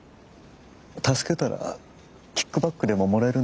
助けたらキックバックでももらえるんですか？